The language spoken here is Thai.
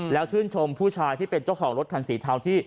แล้วชื่นชมผู้ชายที่เป็นเจ้าของรถคันสีเทาที่